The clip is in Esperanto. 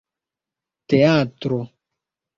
teatro